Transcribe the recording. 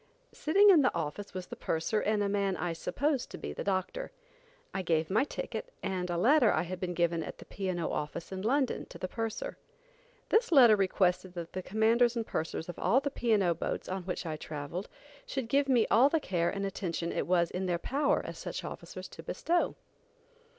Sitting in the office was the purser and a man I supposed to be the doctor. I gave my ticket and a letter I had been given at the P. & O. office in London, to the purser. This letter requested that the commanders and pursers of all the P. & O. boats on which I traveled should give me all the care and attention it was in their power as such officers to bestow.